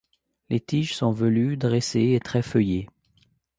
Les tiges sont velues, dressées et très feuillées.